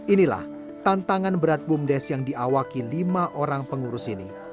inilah tantangan berat bumdes yang diawaki lima orang pengurus ini